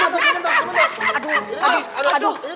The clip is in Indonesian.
aduh aduh aduh aduh